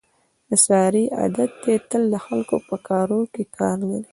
د سارې عادت دی تل د خلکو په کاروکې کار لري.